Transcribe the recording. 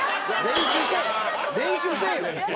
練習せえ！